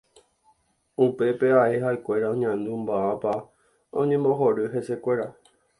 Upépe ae ha'ekuéra oñandu mávapa oñembohory hesekuéra.